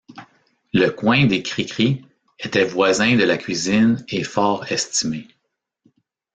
Le coin des Cricris était voisin de la cuisine et fort estimé.